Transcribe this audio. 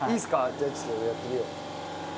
じゃあちょっとやってみよう。